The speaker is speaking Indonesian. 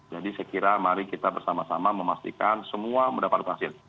jadi saya kira mari kita bersama sama memastikan semua mendapatkan vaksin